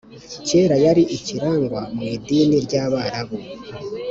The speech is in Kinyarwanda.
kera yari ikirangwa mu idini ry’abarabu